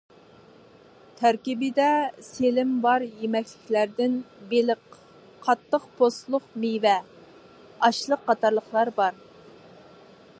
تەركىبىدە سېلېن بار يېمەكلىكلەردىن بېلىق، قاتتىق پوستلۇق مېۋە، ئاشلىق قاتارلىقلار بار.